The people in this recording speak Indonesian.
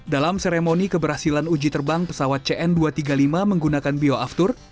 dalam seremoni keberhasilan uji terbang pesawat cn dua ratus tiga puluh lima menggunakan bioaftur